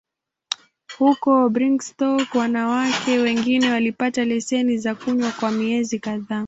Huko Brigstock, wanawake wengine walipata leseni za kunywa kwa miezi kadhaa.